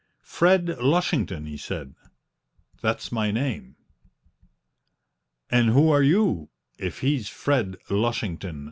"Fred Lushington," he said; "that's my name." "And who are you, if he's Fred Lushington?"